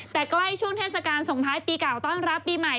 แต่ใกล้ช่วงเทศกาลส่งท้ายปีเก่าต้อนรับปีใหม่